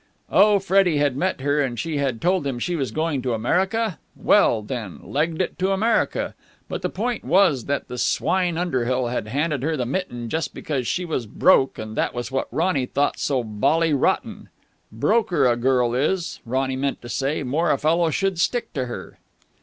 Oh, Freddie had met her and she had told him she was going to America? Well, then, legged it to America. But the point was that the swine Underhill had handed her the mitten just because she was broke, and that was what Ronny thought so bally rotten. Broker a girl is, Ronny meant to say, more a fellow should stick to her.